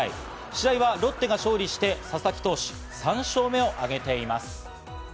試合はロッテが勝利し、佐々木投手は３勝目をあげています。